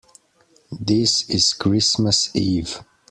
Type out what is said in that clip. This is Christmas Eve.